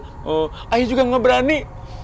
ee aya juga ngga berani